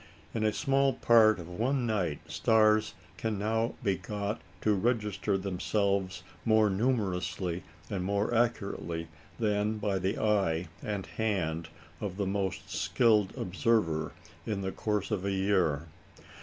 In a small part of one night stars can now be got to register themselves more numerously and more accurately than by the eye and hand of the most skilled observer in the course of a year.